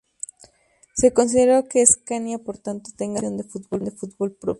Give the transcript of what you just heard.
Se consideró que Escania por tanto tenga su asociación de fútbol propia.